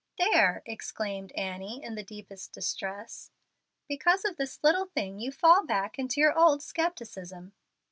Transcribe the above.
"There," exclaimed Annie, in the deepest distress; "because of this little thing you fall back into your old scepticism."